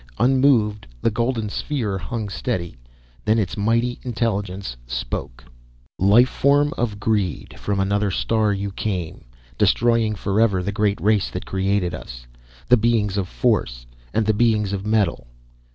Unmoved, the golden sphere hung steady, then its mighty intelligence spoke. "Life form of greed, from another star you came, destroying forever the great race that created us, the Beings of Force and the Beings of Metal.